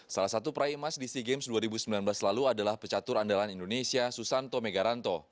salah satu prai emas di sea games dua ribu sembilan belas lalu adalah pecatur andalan indonesia susanto megaranto